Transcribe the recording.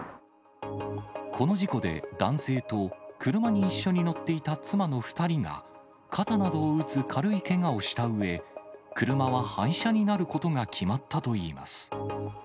この事故で男性と車に一緒に乗っていた妻の２人が、肩などを打つ軽いけがをしたうえ、車は廃車になることが決まったといいます。